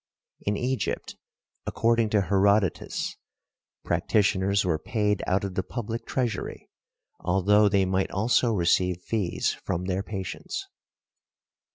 In Egypt, according to Herodotus, practitioners were paid out of the public treasury, although they might also receive fees from their patients.